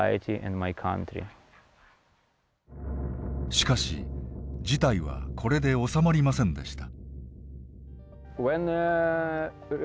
しかし事態はこれで収まりませんでした。